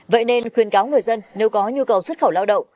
vậy nên khuyên cáo người dân nếu có nhu cầu xuất khẩu lao động